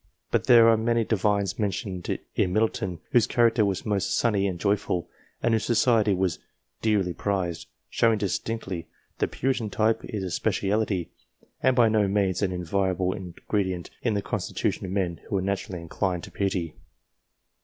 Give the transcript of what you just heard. But there are many Divines mentioned in Middleton, whose character was most sunny and joyful, and whose society was dearly prized, showing distinctly that the Puritan type is a speciality, and by no means an invariable ingredient in the constitution of men who are naturally inclined to piety.